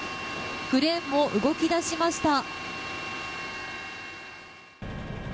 クレーンも動き出しました。